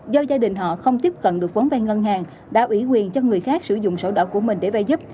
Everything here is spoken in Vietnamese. do gia đình họ không tiếp cận được vốn vay ngân hàng đã ủy quyền cho người khác sử dụng sổ đỏ của mình để vay giúp